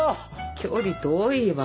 距離遠いわ。